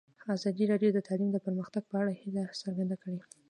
ازادي راډیو د تعلیم د پرمختګ په اړه هیله څرګنده کړې.